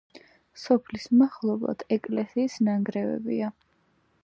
სოფლის მახლობლად ეკლესიის ნანგრევებია.